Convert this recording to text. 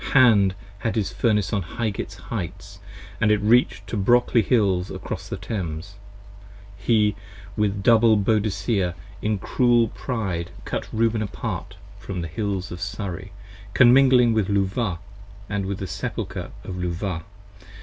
Hand had his Furnace on Highgate's heights & it reach'd To Brockley Hills across the Thames; he with double Boadicea 25 In cruel pride cut Reuben apart from the Hills of Surrey, Comingling with Luvah & with the Sepulcher of Luvah.